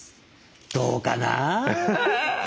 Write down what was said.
どうかな？